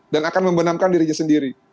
dan akan membenamkan dirinya sendiri